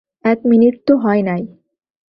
এক মিনিট তো হয় নাই।